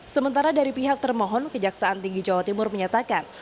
sementara dari pihak termohon kejaksaan tinggi jawa timur menyatakan